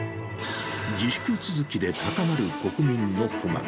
自粛続きで高まる国民の不満。